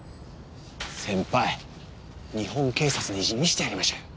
先輩日本警察の意地見せてやりましょうよ。